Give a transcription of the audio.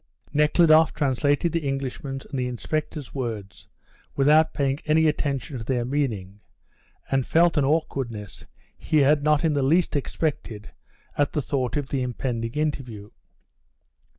Nekhludoff translated the Englishman's and the inspector's words without paying any attention to their meaning, and felt an awkwardness he had not in the least expected at the thought of the impending interview.